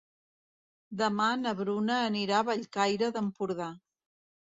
Demà na Bruna anirà a Bellcaire d'Empordà.